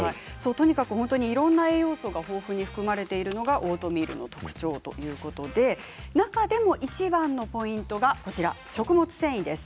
とにかくほんとにいろんな栄養素が豊富に含まれているのがオートミールの特徴ということでなかでも一番のポイントがこちら食物繊維です。